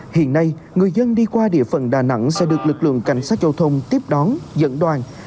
hiện nay người dân đi qua địa phận đà nẵng sẽ được lực lượng cảnh sát giao thông tiếp đón dẫn đoàn